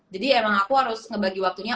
jadi emang aku harus ngebagi waktunya